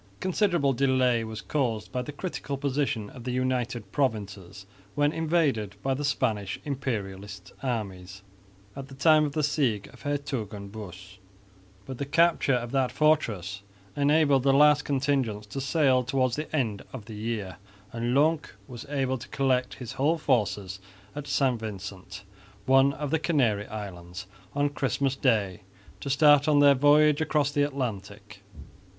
A considerable delay was caused by the critical position of the United Provinces when invaded by the Spanish Imperialist armies at the time of the siege of Hertogenbosch, but the capture of that fortress enabled the last contingents to sail towards the end of the year; and Lonck was able to collect his whole force at St Vincent, one of the Canary islands, on Christmas Day to start on their voyage across the Atlantic.